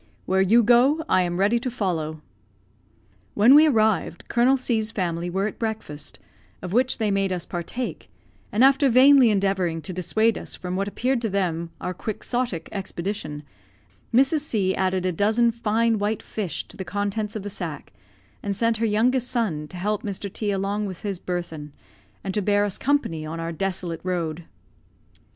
"Where you go, I am ready to follow." When we arrived, Colonel C 's family were at breakfast, of which they made us partake; and after vainly endeavouring to dissuade us from what appeared to them our Quixotic expedition, Mrs. C added a dozen fine white fish to the contents of the sack, and sent her youngest son to help Mr. T along with his burthen, and to bear us company on our desolate road.